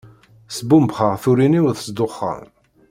Sbumbxeɣ turin-iw s ddexxan.